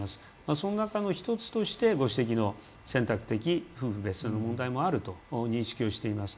その中の一つとしてご指摘の選択的夫婦別姓の問題もあると認識しています。